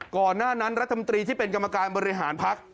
ก่อนหน้านั้นรัฐมนตรีที่เป็นกรรมการบริหารพัก